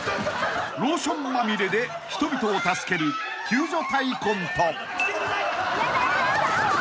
［ローションまみれで人々を助ける救助隊コント］